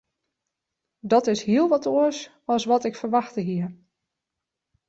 Dat is hiel wat oars as wat ik ferwachte hie.